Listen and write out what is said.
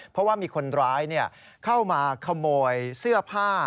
เพราะว่ามีคนร้ายเข้ามาขโมยเสื้อผ้า